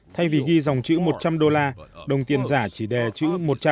thay vì ghi dòng chữ một trăm linh đô la đồng tiền giả chỉ đè chữ một trăm linh